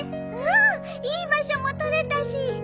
うんいい場所も取れたし。